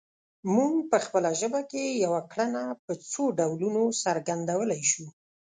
موږ په خپله ژبه کې یوه کړنه په څو ډولونو څرګندولی شو